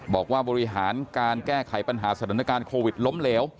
บริหารการแก้ไขปัญหาสถานการณ์โควิดล้มเหลว